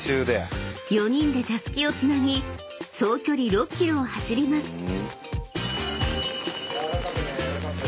［４人でたすきをつなぎ総距離６ｋｍを走ります］